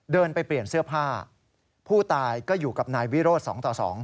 เดินไปเปลี่ยนเสื้อผ้าผู้ตายก็อยู่กับนายวิโรธ๒ต่อ๒